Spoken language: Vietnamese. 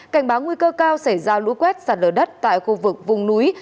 cảnh báo nguy cơ cao xảy ra lũ quét sạt lở đất tại khu vực vùng núi